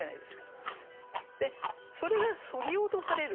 でそれがそぎ落とされる。